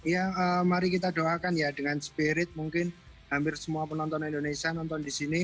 ya mari kita doakan ya dengan spirit mungkin hampir semua penonton indonesia nonton di sini